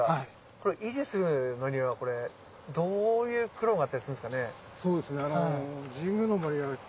これ維持するのにはどういう苦労があったりするんですかね？